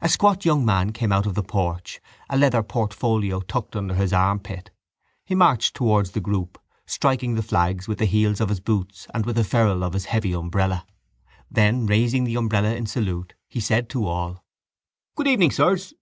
A squat young man came out of the porch, a leather portfolio tucked under his armpit. He marched towards the group, striking the flags with the heels of his boots and with the ferrule of his heavy umbrella. Then, raising the umbrella in salute, he said to all: —Good evening, sirs.